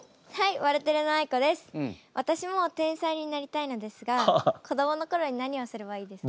わたしも天才になりたいのですが子どもの頃に何をすればいいですか？